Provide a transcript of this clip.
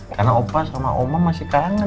karena opa sama oma masih kangen